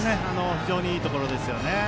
非常にいいところですよね。